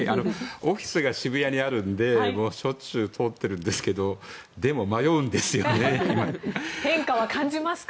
オフィスが渋谷にあるのでしょっちゅう通ってるんですけど変化は感じますか？